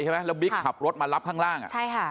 แล้วบิ๊กขับรถมารับข้างล่าง